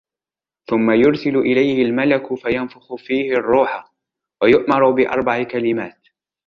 ثمَّ يُرْسَلُ إلَيْهِ الْمَلَكُ فَيَنْفُخُ فيهِ الرُّوحَ، وَيُؤمَرُ بأرْبَعِ كَلِمَاتٍ